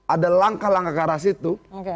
ada langkah langkah ke arah situ